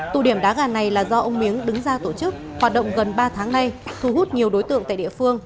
tụ điểm đá gà này là do ông miếng đứng ra tổ chức hoạt động gần ba tháng nay thu hút nhiều đối tượng tại địa phương